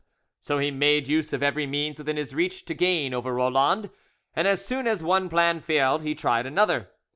So he made use of every means within his reach to gain over Roland, and as soon as one plan failed he tried another.